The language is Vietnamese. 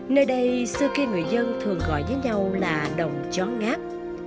nơi đây xưa khi người dân thường gọi với nhau là đồng chó ngáp